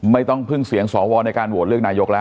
ไม่ต้องพึ่งเสียงสวในการโหวตเลือกนายกแล้ว